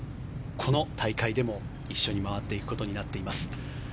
この大会でも一緒に回っていくことになっています。